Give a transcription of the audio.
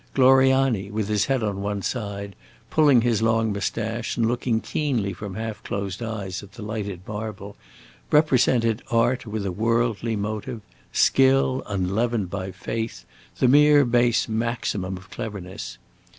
Gloriani, with his head on one side, pulling his long moustache and looking keenly from half closed eyes at the lighted marble, represented art with a worldly motive, skill unleavened by faith, the mere base maximum of cleverness.